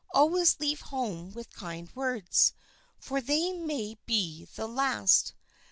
Always leave home with kind words; for they may be the last.